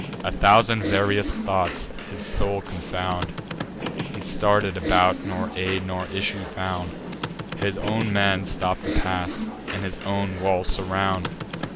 A thousand various thoughts his soul confound; He star'd about, nor aid nor issue found; His own men stop the pass, and his own walls surround.